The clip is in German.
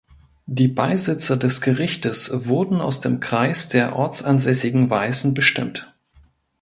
Die Beisitzer des Gerichtes wurden aus dem Kreis der ortsansässigen Weißen bestimmt.